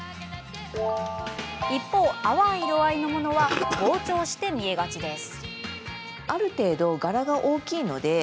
一方、淡い色合いのものは膨張して見えがちです。